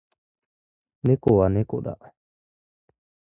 猫は猫だ。